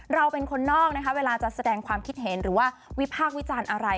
เราเป็นคนนอกนะคะเวลาจะแสดงความคิดเห็นหรือว่าวิพากษ์วิจารณ์อะไร